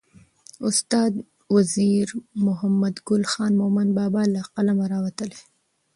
استاد وزیر محمدګل خان مومند بابا له قلمه راوتلې.